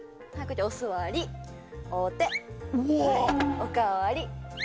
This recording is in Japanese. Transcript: おかわり。